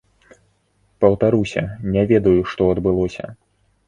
Паўтаруся, не ведаю, што адбылося.